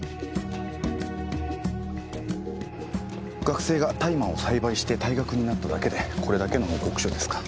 学生が大麻を栽培して退学になっただけでこれだけの報告書ですか。